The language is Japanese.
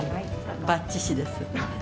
バッチシです。